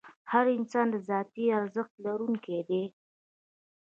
هر انسان د ذاتي ارزښت لرونکی دی.